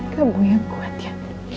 kamu yang kuat ya